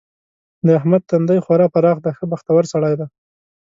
د احمد تندی خورا پراخ دی؛ ښه بختور سړی دی.